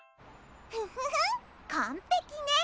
フフフンかんぺきね。